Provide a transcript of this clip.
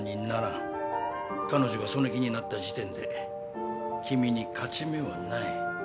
彼女がその気になった時点で君に勝ち目はない。